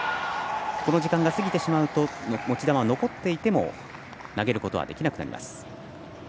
この時間が過ぎてしまうと持ち球が残っていても投げることはできなくなります。